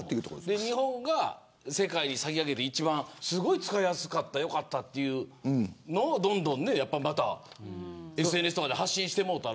日本が世界に先駆けてすごい使いやすかった良かったというのをどんどんＳＮＳで発信してくれたら。